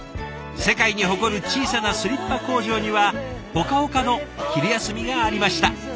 世界に誇る小さなスリッパ工場にはほかほかの昼休みがありました。